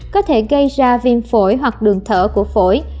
có thể gây ra viêm phổi hoặc đường thở của phổi